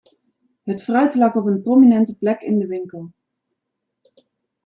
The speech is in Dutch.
Het fruit lag op een prominente plek in de winkel.